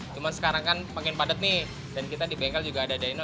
cuman sekarang kan pengen padat nih dan kita di bengkel juga ada dyno